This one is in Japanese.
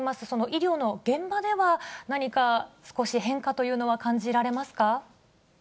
医療の現場では、何か少し変化というのは感じられますか。